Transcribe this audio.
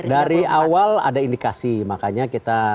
dari awal ada indikasi makanya kita